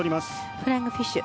フライングフィッシュ